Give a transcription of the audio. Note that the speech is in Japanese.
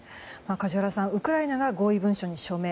梶原さん、ウクライナが合意文書に署名。